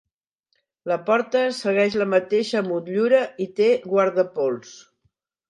La porta segueix la mateixa motllura i té guardapols.